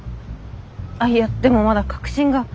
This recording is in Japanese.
あっいやでもまだ確信が。